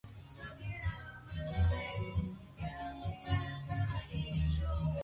Its former English name is translated as Institute of International Relations.